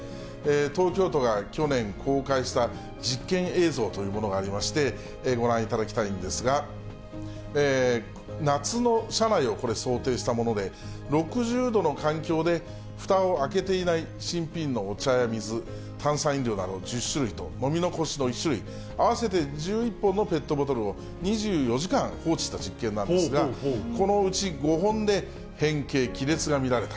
東京都が去年公開した実験映像というものがありまして、ご覧いただきたいんですが、夏の車内をこれ、想定したもので、６０度の環境でふたを開けていない新品のお茶や水、炭酸飲料など１０種類と飲み残しの１種類、合わせて１１本のペットボトルを、２４時間放置した実験なんですが、このうち５本で変形、亀裂が見られた。